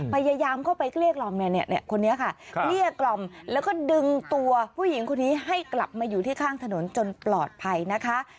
พยายามเข้าไปเกลี้ยกล่อมคนนี้ค่ะเกลี้ยกล่อมแล้วก็ดึงตัวผู้หญิงคนนี้ให้กลับมาอยู่ที่ข้างถนนจนปลอดภัยนะคะ